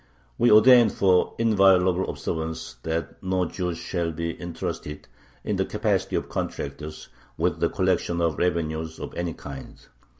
We ordain for inviolable observance that no Jews shall be intrusted [in the capacity of contractors] with the collection of revenues of any kind.